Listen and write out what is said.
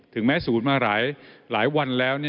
แม้ศูนย์มาหลายวันแล้ว